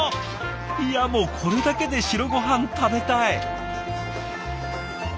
いやもうこれだけで白ごはん食べたい！